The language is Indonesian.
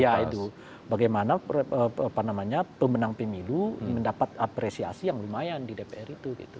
ya itu bagaimana pemenang pemilu mendapat apresiasi yang lumayan di dpr itu